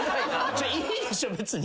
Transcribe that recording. いいでしょ別に。